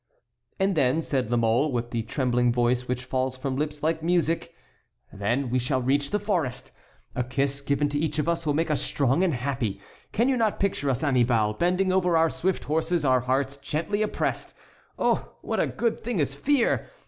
"And then," said La Mole, with the trembling voice which falls from lips like music, "then we shall reach the forest. A kiss given to each of us will make us strong and happy. Can you not picture us, Annibal, bending over our swift horses, our hearts gently oppressed? Oh, what a good thing is fear!